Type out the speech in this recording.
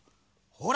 ほら！